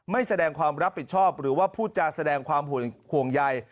ไม่แสดงความรับผิดชอบหรือว่าพูดจาแสดงความห่วงใย